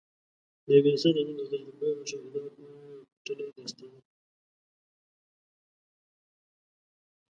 د یو انسان د ژوند د تجربو او مشاهداتو یو کوټلی داستان وي.